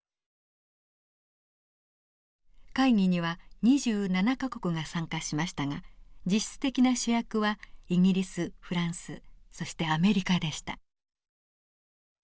会議には２７か国が参加しましたが実質的な主役はイギリスフランスそしてアメリカでした。